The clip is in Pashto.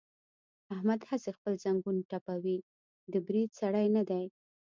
احمد هسې خپل زنګون ټپوي، د برید سړی نه دی.